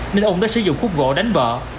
nên ú đã sử dụng khúc gỗ đánh vợ